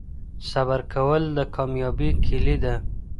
صبر کول د کامیابۍ کیلي ده.